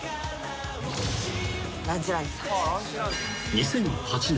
［２００８年］